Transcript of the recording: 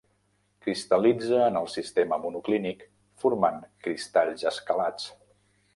Cristal·litza en el sistema monoclínic formant cristalls escalats.